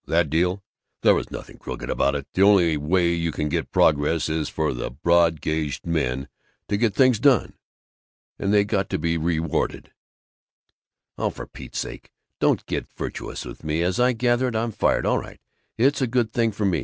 That deal There was nothing crooked about it. The only way you can get progress is for the broad gauged men to get things done; and they got to be rewarded " "Oh, for Pete's sake, don't get virtuous on me! As I gather it, I'm fired. All right. It's a good thing for me.